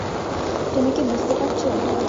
তুমি কি বুঝতে পারছ?